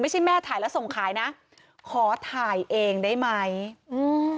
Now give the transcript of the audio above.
ไม่ใช่แม่ถ่ายแล้วส่งขายนะขอถ่ายเองได้ไหมอืม